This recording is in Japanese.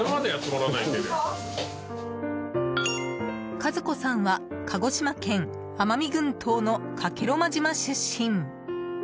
和子さんは鹿児島県奄美群島の加計呂麻島出身。